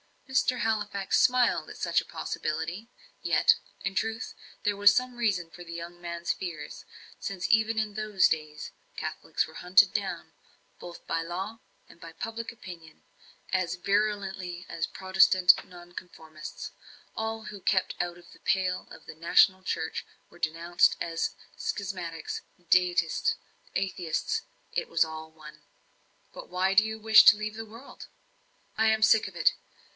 Mr. Halifax smiled at such a possibility. Yet, in truth, there was some reason for the young man's fears; since, even in those days, Catholics were hunted down both by law and by public opinion, as virulently as Protestant nonconformists. All who kept out of the pale of the national church were denounced as schismatics, deists, atheists it was all one. "But why do you wish to leave the world?" "I am sick of it.